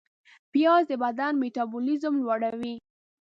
پیاز د بدن میتابولیزم لوړوي